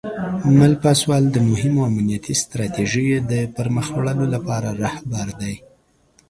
مل پاسوال د مهمو امنیتي ستراتیژیو د پرمخ وړلو لپاره رهبر دی.